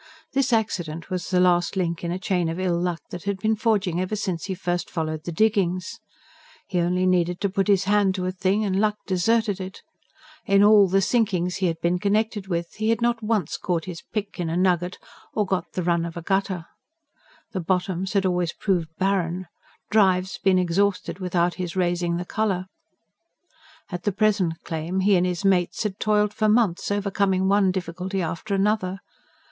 This accident was the last link in a chain of ill luck that had been forging ever since he first followed the diggings. He only needed to put his hand to a thing, and luck deserted it. In all the sinkings he had been connected with, he had not once caught his pick in a nugget or got the run of the gutter; the "bottoms" had always proved barren, drives been exhausted without his raising the colour. At the present claim he and his mates had toiled for months, overcoming one difficulty after another.